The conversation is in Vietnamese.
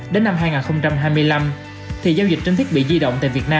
đến năm hai nghìn hai mươi năm thì giao dịch chính thức bị di động